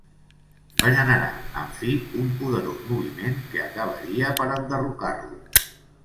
Va generar, en fi, un poderós moviment que acabaria per enderrocar-lo.